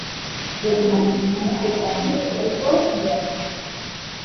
Lo denominó Tecamachalco de la Asunción.